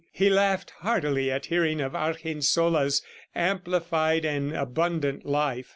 He laughed heartily at hearing of Argensola's amplified and abundant life.